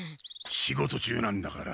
仕事中なんだから。